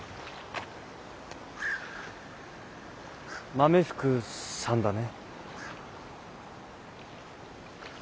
豆福さんだね。